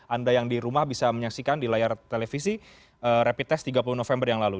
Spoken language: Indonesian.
anda yang di rumah bisa menyaksikan di layar televisi rapid test tiga puluh november yang lalu